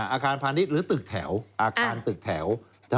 อาคารพาณิชย์หรือตึกแถวอาคารตึกแถว